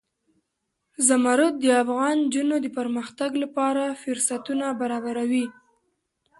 زمرد د افغان نجونو د پرمختګ لپاره فرصتونه برابروي.